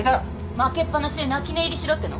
負けっぱなしで泣き寝入りしろっての？